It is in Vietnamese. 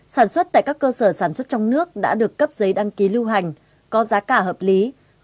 sản xuất tại các cơ sở sản xuất trong nước đã được cấp giấy đăng ký lưu hành có giá cả hợp lý